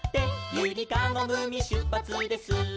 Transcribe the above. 「ゆりかごぐみしゅっぱつです」